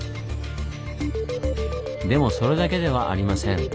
でもそれだけではありません。